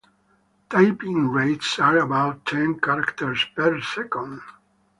Typing rates are about ten characters per second.